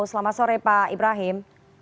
selamat sore pak ibrahim